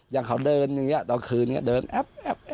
อย่างเขาเดินตลอดคืนเดินแอ๊บ